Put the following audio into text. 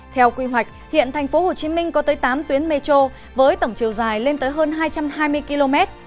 theo quy hoạch hiện tp hcm có tới tám tuyến metro với tổng chiều dài lên tới hơn hai trăm hai mươi km